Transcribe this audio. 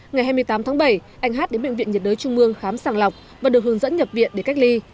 ngày hai mươi tám tháng bảy anh hát đến bệnh viện nhiệt đới trung mương khám sàng lọc và được hướng dẫn nhập viện để cách ly